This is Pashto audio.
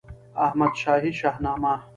احمدشاهي شهنامه